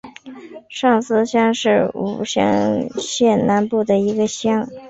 上司乡是武乡县南部的一个乡。